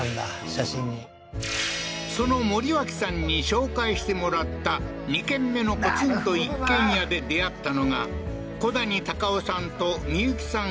写真にその森脇さんに紹介してもらった２軒目のポツンと一軒家で出会ったのが古谷隆雄さんとみゆきさん